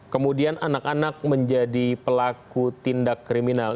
kemudian anak anak menjadi pelaku tindak kriminal